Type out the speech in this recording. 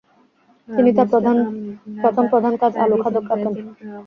তিনি তার প্রথম প্রধান কাজ আলু খাদক আঁকেন।